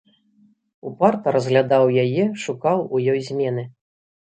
Упарта разглядаў яе, шукаў у ёй змены.